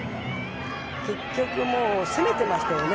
結局攻めてましたよね。